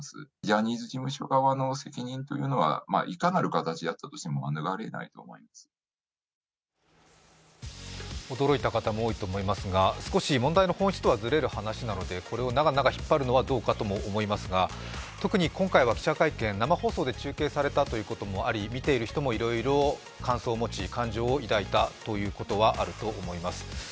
これについて、企業のリスク管理に詳しい専門家は驚いた方も多いと思いますが、少し問題の本質とはずれる話なのでこれを長々引っ張るのはどうかと思いますが特に今回は記者会見、生放送で中継されたということもあり見ている人もいろいろ感想を持ち感情を抱いたということはあると思います。